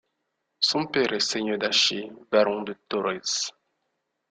Son père est Seigneur d'Achey, baron de Thoraise.